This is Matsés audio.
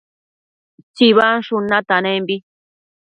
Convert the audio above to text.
tsibansshun istanembi